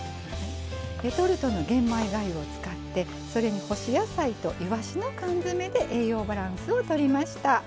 レトルトの玄米がゆを使ってそれに干し野菜といわしの缶詰で栄養バランスをとりました。